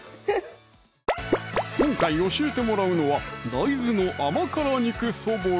今回教えてもらうのは「大豆の甘辛肉そぼろ」